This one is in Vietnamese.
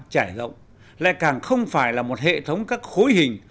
trải rộng lại càng không phải là một hệ thống các khối hình